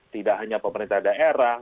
tidak hanya pemerintah daerah